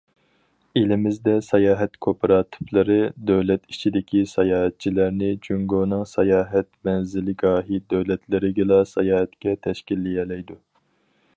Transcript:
ئېلىمىزدە ساياھەت كوپىراتىپلىرى دۆلەت ئىچىدىكى ساياھەتچىلەرنى جۇڭگونىڭ ساياھەت مەنزىلگاھى دۆلەتلىرىگىلا ساياھەتكە تەشكىللىيەلەيدۇ.